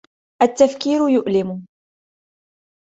التفكير يؤلم.